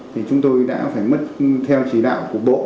thì chúng tôi đã phải mất theo chỉ đạo của bộ